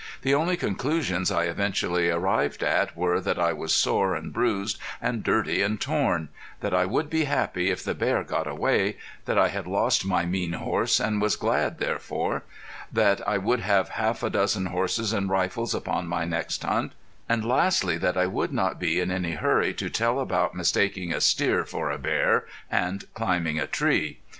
The only conclusions I eventually arrived at were that I was sore and bruised and dirty and torn that I would be happy if the bear got away that I had lost my mean horse and was glad therefore that I would have half a dozen horses and rifles upon my next hunt and lastly that I would not be in any hurry to tell about mistaking a steer for a bear, and climbing a tree.